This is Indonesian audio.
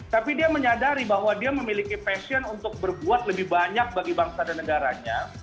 tapi dia menyadari bahwa dia memiliki passion untuk berbuat lebih banyak bagi bangsa dan negaranya